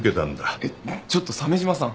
えっちょっと鮫島さん。